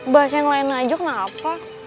bahas yang lain aja kenapa